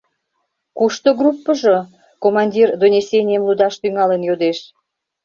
Кушто группыжо? — командир донесенийым лудаш тӱҥалын йодеш.